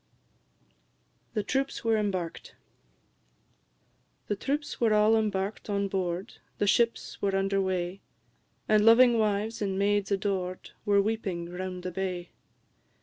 THE TROOPS WERE EMBARKED. The troops were all embark'd on board, The ships were under weigh, And loving wives, and maids adored, Were weeping round the bay.